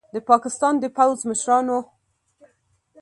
د پاکستان د پوځ مشرانو